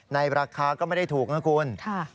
ในราคาก็ไม่ได้ถูกนะคุณ